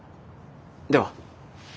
では。